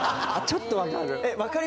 ちょっとわかる。